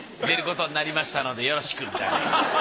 出ることになりましたのでよろしくみたいな。